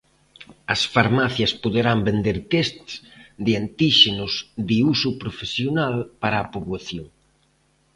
As farmacias poderán vender tests de antíxenos de uso profesional para a poboación.